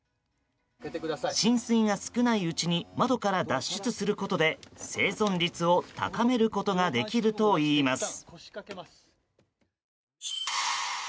浸水が少ないうちに窓から脱出することで生存率を高めることができるといいます。